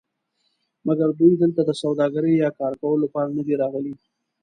مګر دوی دلته د سوداګرۍ یا کار کولو لپاره ندي راغلي.